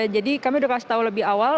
jadi kami sudah kasih tahu lebih awal